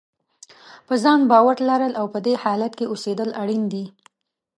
په ځان باور لرل او په دې حالت کې اوسېدل اړین دي.